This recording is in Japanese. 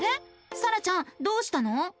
さらちゃんどうしたの？